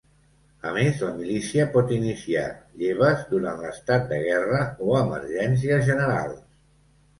A més, la milícia pot iniciar lleves durant l'estat de guerra o emergències generals.